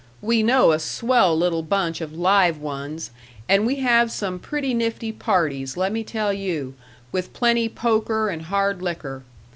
We know a swell little bunch of live ones, and we have some pretty nifty parties, lemme tell you, with plenty poker and hard liquor.